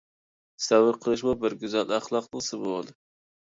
سەۋر قىلىشمۇ بىر گۈزەل ئەخلاقنىڭ سىمۋولى!